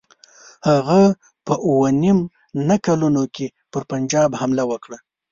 هغه په اووه نیم نه کلونو کې پر پنجاب حمله وکړه.